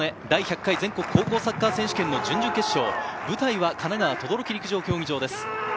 第１００回全国高校サッカー選手権の準々決勝、舞台は神奈川・等々力陸上競技場です。